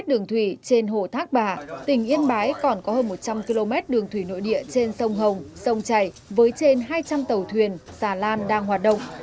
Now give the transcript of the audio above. đường thủy trên hồ thác bà tỉnh yên bái còn có hơn một trăm linh km đường thủy nội địa trên sông hồng sông chảy với trên hai trăm linh tàu thuyền xà lan đang hoạt động